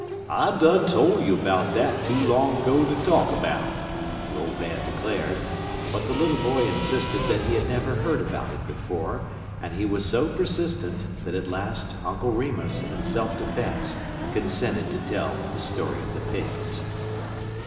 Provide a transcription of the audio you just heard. "I done tole you 'bout dat too long 'go ter talk 'bout," the old man declared; but the little boy insisted that he had never heard about it before, and he was so persistent that at last Uncle Remus, in self defence, consented to tell the story of the Pigs.